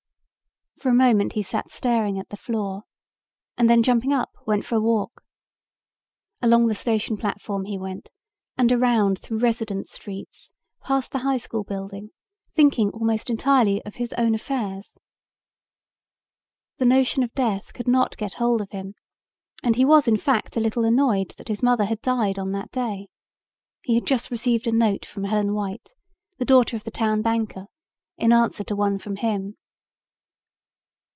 For a moment he sat staring at the floor and then jumping up went for a walk. Along the station platform he went, and around through residence streets past the high school building, thinking almost entirely of his own affairs. The notion of death could not get hold of him and he was in fact a little annoyed that his mother had died on that day. He had just received a note from Helen White, the daughter of the town banker, in answer to one from him.